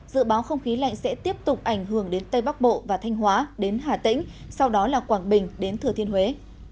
dự báo không khí lạnh sẽ tiếp tục ảnh hưởng đến tây bắc bộ và thanh hóa đến hà tĩnh sau đó là quảng bình đến thừa thiên huế